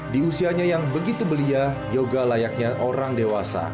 di usianya yang begitu belia yoga layaknya orang dewasa